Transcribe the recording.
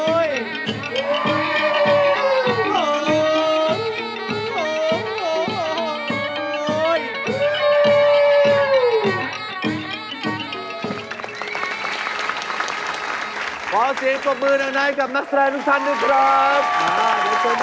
อ่าอ่าอ่า